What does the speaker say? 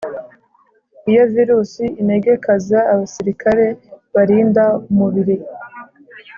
iyo virusi inegekaza abasirikare barinda umubiri